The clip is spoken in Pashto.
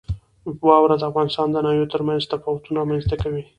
واوره د افغانستان د ناحیو ترمنځ تفاوتونه رامنځ ته کوي.